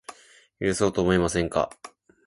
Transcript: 許そうとは思いませんか